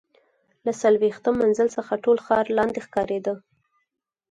له څلوېښتم منزل څخه ټول ښار لاندې ښکارېده.